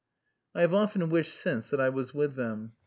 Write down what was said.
I have often wished since that I was with them.